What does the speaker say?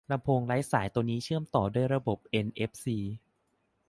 ลำโพงไร้สายตัวนี้เชื่อมต่อด้วยระบบเอ็นเอฟซี